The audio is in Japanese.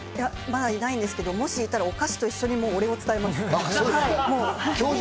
いないんですけど、いたらお菓子と一緒にお礼を伝えます。